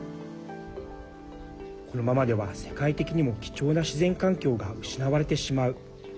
このままでは、世界的にも貴重な自然環境が失われてしまう。